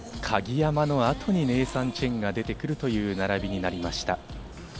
鍵山の後にネイサン・チェンが出てくるという並びになりました。